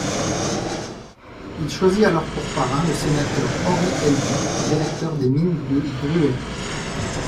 Il choisit alors pour parrain le sénateur Henri Elby, directeur des mines de Bruay.